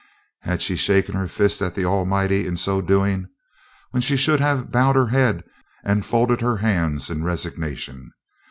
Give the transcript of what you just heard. Had she shaken her fist at the Almighty in so doing, when she should have bowed her head and folded her hands in resignation?